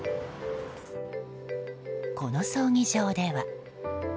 この葬儀場では。